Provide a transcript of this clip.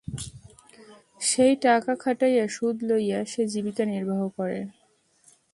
সেই টাকা খাটাইয়া সুদ লইয়া সে জীবিকা নির্বাহ করে।